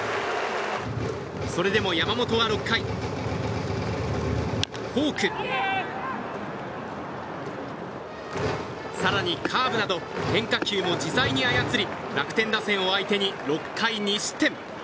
それでも山本は６回フォーク、更にカーブなど変化球を自在に操り楽天打線を相手に６回２失点。